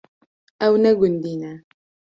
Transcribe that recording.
Ew ne gundî ne.